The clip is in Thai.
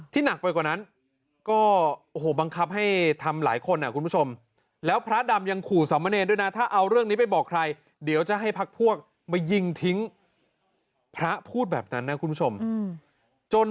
ที่หนักไปกว่านั้นก็โอ้โหบังคับให้ทำหลายคนอ่ะคุณผู้ชม